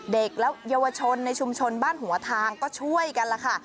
เด็กและเยาวชนในชุมชนบ้านหัวทางก็ช่วยกันล่ะค่ะ